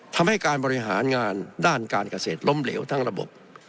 ทำให้การบริหารงานด้านการเกษตรล้มเหลวทั้งระบบ